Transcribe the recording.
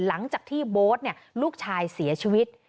หลังจากที่โบสต์เนี่ยลูกชายเสียชีวิต